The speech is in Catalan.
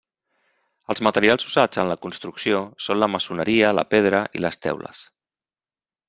Els materials usats en la construcció són la maçoneria, la pedra i les teules.